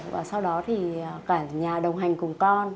và sau đó thì cả nhà đồng hành cùng con